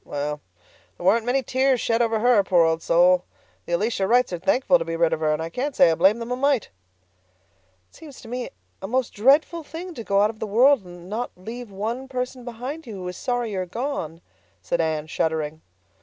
Well, there weren't many tears shed over her, poor old soul. The Elisha Wrights are thankful to be rid of her, and I can't say I blame them a mite." "It seems to me a most dreadful thing to go out of the world and not leave one person behind you who is sorry you are gone," said Anne, shuddering.